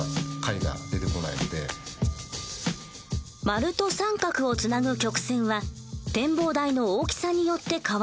丸と三角をつなぐ曲線は展望台の大きさによって変わります。